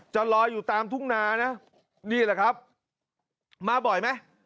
จะลอยอยู่ตามทุ่งนานะนี่แหละครับมาบ่อยไหม